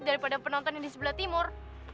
daripada penonton yang di sebelah timur